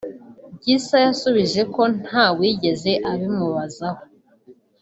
Gisa yasubije ko ntawigeze abimubazaho